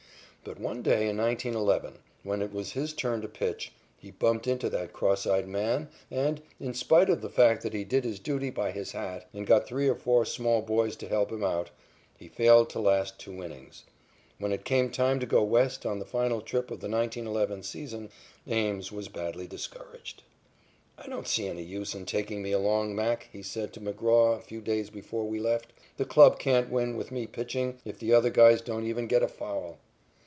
But one day in 1911, when it was his turn to pitch, he bumped into that cross eyed man and, in spite of the fact that he did his duty by his hat and got three or four small boys to help him out, he failed to last two innings. When it came time to go West on the final trip of the 1911 season, Ames was badly discouraged. "I don't see any use in taking me along, Mac," he said to McGraw a few days before we left. "The club can't win with me pitching if the other guys don't even get a foul."